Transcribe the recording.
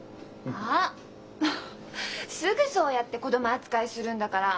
もうすぐそうやって子供扱いするんだから。